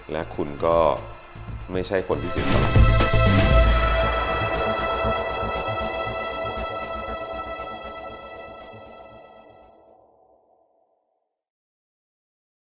และคุณก็ไม่ใช่คนพิสิทธิ์สำหรับเรา